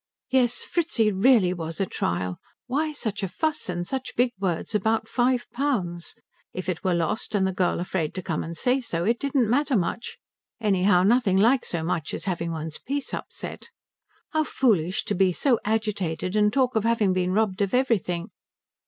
Yes, Fritzi really was a trial. Why such a fuss and such big words about five pounds? If it were lost and the girl afraid to come and say so, it didn't matter much; anyhow nothing like so much as having one's peace upset. How foolish to be so agitated and talk of having been robbed of everything.